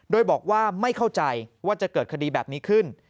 โดยบอกว่าไม่เข้าใจว่าจะเกิดคดีแบบนี้ขึ้น